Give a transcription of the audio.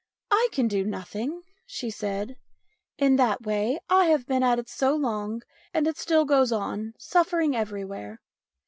" I can do nothing," she said, " in that way. I have been at it so long, and it still goes on suffering everywhere.